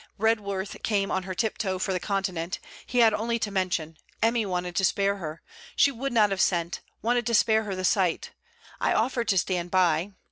Redworth came on her tiptoe for the Continent; he had only to mention... Emmy wanted to spare her. She would not have sent wanted to spare her the sight. I offered to stand by...